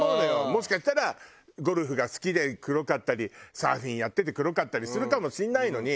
もしかしたらゴルフが好きで黒かったりサーフィンやってて黒かったりするかもしれないのに。